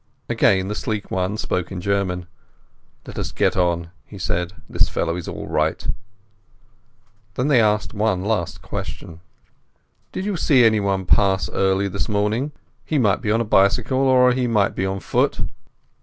Again the sleek one spoke in German. "Let us get on," he said. "This fellow is all right." They asked one last question. "Did you see anyone pass early this morning? He might be on a bicycle or he might be on foot."